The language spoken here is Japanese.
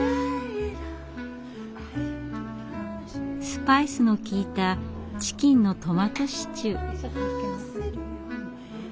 スパイスの効いたチキンのトマトシチュー。